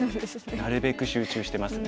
なるべく集中してますね。